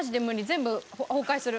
全部崩壊する。